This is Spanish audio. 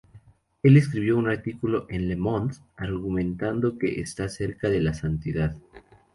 Él escribió un artículo en "Le Monde" argumentando que está cerca de la santidad.